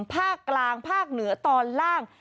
ภาคกลางภาคเหนือตอนล่าง